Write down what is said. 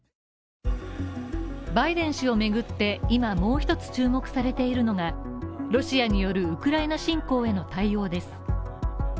バイデン氏を巡って、今もう一つ注目されているのが、ロシアによるウクライナ侵攻への対応です。